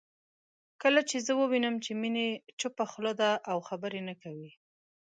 کله چې زه ووينم چې میني چپه خوله ده او خبرې نه کوي